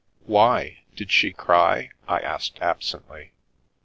" Why ? Did she cry ?" I asked absently.